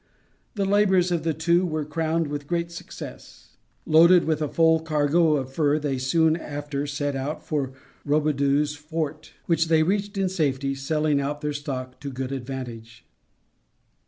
The labors of the two were crowned with great success. Loaded with a full cargo of fur they soon after set out for Robidoux's Fort, which they reached in safety, selling out their stock to good advantage.